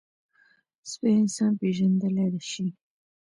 سپي انسان پېژندلی شي.